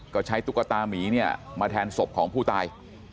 ก็ใช้ตุ๊กตามีเนี่ยมาแทนศพของผู้ตาย